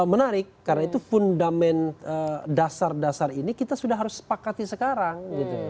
menarik karena itu fundament dasar dasar ini kita sudah harus sepakati sekarang